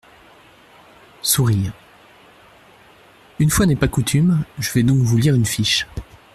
(Sourires.) Une fois n’est pas coutume, je vais donc vous lire une fiche.